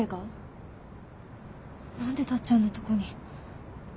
何でタッちゃんのとこに？